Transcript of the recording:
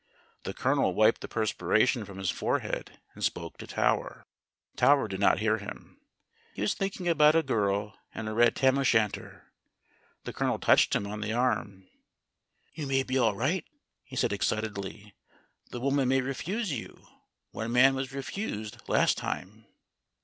The Colonel wiped the perspira tion from his forehead and spoke to Tower. Tower did not hear him. He was thinking about a girl in a red tam o' shanter. The Colonel touched him on the arm. "You may be all right," he said excitedly; "the woman may refuse you. One man was refused last time."